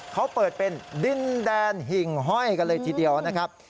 เขาเปิดเป็นดินแดนหิ่งห้อยกันเลยทีเดียวนะครับ